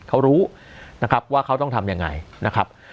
เขารู้นะครับว่าเขาต้องทำยังไงนะครับ